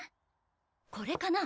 これかな？